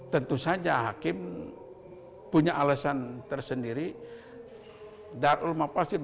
tentu saja hakim punya alasan tersendiri